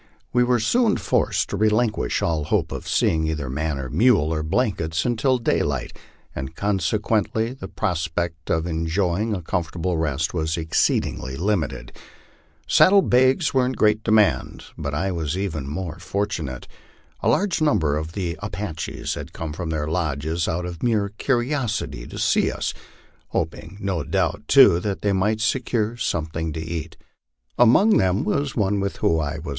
We were soon forced to relinquish all hope of seeing either man, mule, or blankets until daylight, and consequently the prospect of enjoying a comfortable rest was exceed ingly limited. Saddle blankets were in great demand, but I was even more fortunate. A large number of the Apaches had come from their lodges out of mere curiosity to see us, hoping no doubt too that they might secure some thing to eat. Among them was one with whom I was